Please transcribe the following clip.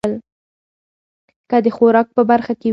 که د خوراک په برخه کې وي